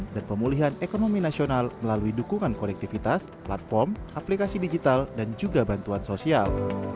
dan pemulihan ekonomi nasional melalui dukungan kolektivitas platform aplikasi digital dan juga bantuan sosial